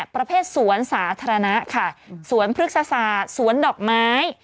ประเภทสวนสาธารณะค่ะสวนพฤกษศาสตร์สวนดอกไม้